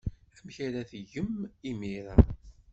Amek ara tgem imir-a?